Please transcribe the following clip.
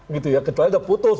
gitu ya kecil aja udah putus